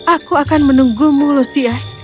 aku akan menunggumu lusias